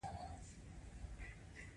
کارګر د کاري ځواک لپاره باید خواړه وخوري.